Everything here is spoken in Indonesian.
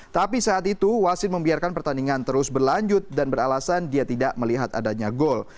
tapi saat itu wasit membiarkan pertandingan terus berlanjut dan beralasan dia tidak melihat adanya gol